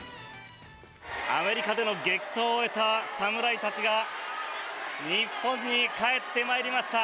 アメリカでの激闘を終えた侍たちが日本に帰ってまいりました。